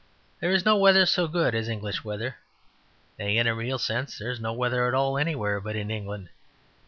There is no weather so good as English weather. Nay, in a real sense there is no weather at all anywhere but in England.